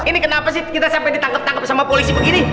ini kenapa sih kita sampai ditangkap tangkap sama polisi begini